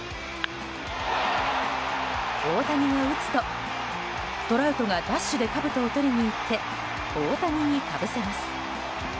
大谷が打つと、トラウトがダッシュでかぶとを取りにいって大谷にかぶせます。